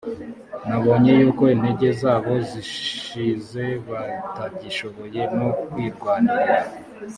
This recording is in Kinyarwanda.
nabona yuko intege zabo zishizebatagishoboye no kwirwanirira?